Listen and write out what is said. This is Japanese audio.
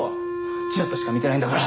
チラッとしか見てないんだから！